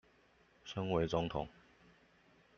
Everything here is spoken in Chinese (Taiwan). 身為總統